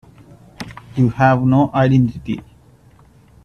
You have no identity.